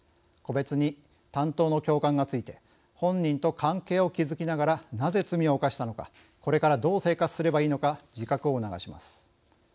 個別に担当の教官がついて本人と関係を築きながらなぜ罪を犯したのかこれからどう生活すればいいのか自覚を促します。